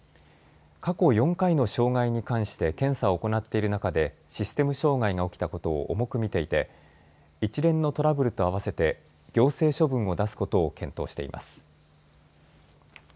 過去４回の障害に関して検査を行っている中でシステム障害が起きたことを重く見ていて一連のトラブルと合わせて行政処分を出すことを検討しています。